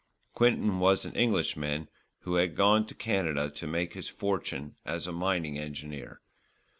Quinton was an Englishman who had gone to Canada to make his fortune as a mining engineer.